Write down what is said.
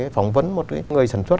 phóng vấn một người sản xuất